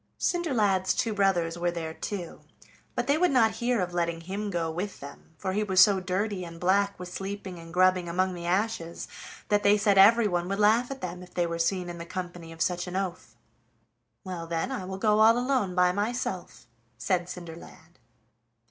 Cinderlad's two brothers were there too, but they would not hear of letting him go with them, for he was so dirty and black with sleeping and grubbing among the ashes that they said everyone would laugh at them if they were seen in the company of such an oaf. "Well, then, I will go all alone by myself," said Cinderlad.